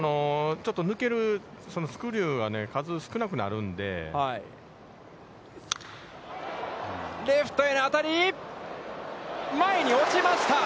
ちょっと抜けるスクリューが数少なくなるんで、前に落ちました。